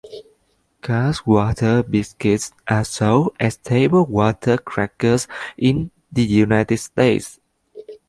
Carr's water biscuits are sold as Table Water Crackers in the United States.